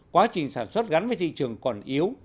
quá trình sản xuất gắn với thị trường còn yếu